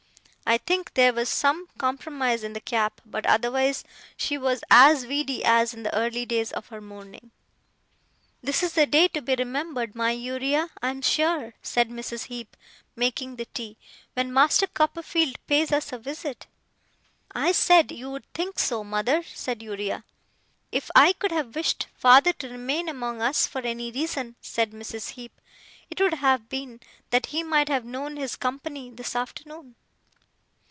I think there was some compromise in the cap; but otherwise she was as weedy as in the early days of her mourning. 'This is a day to be remembered, my Uriah, I am sure,' said Mrs. Heep, making the tea, 'when Master Copperfield pays us a visit.' 'I said you'd think so, mother,' said Uriah. 'If I could have wished father to remain among us for any reason,' said Mrs. Heep, 'it would have been, that he might have known his company this afternoon.